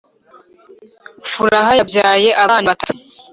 furaha yabyaye abana batatu